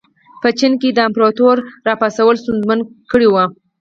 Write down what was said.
په چین کې د امپراتور راپرځول ستونزمن کړي وو.